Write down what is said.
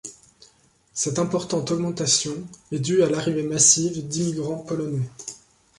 Cette importante augmentation est due à l'arrivée massive d'immigrants polonais.